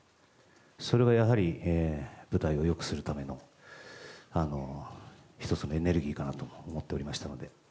それがやはり舞台を良くするための１つのエネルギーかなとも思っておりましたので。